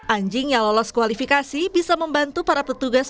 anjing yang lolos kualifikasi bisa membantu para petugas